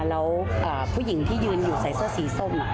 แล้วผู้หญิงที่ยืนอยู่ใส่เสื้อสีส้ม